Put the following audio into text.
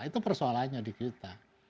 itu persoalannya di kita